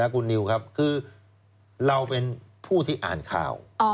คุณนิวครับคือเราเป็นผู้ที่อ่านข่าว